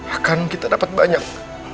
akan kita dapat banyak